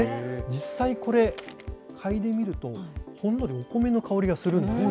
実際これ、嗅いでみると、ほんのりお米の香りがするんです。